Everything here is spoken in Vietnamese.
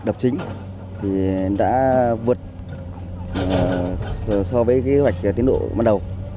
đập chính thì đã vượt so với kế hoạch tiến độ ban đầu